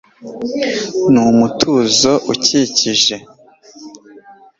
numutuzo ukikije